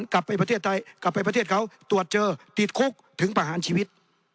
กลับไปประเทศไทยกลับไปประเทศเขาตรวจเจอติดคุกถึงประหารชีวิต